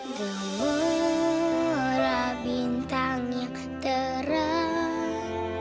demurah bintang yang terang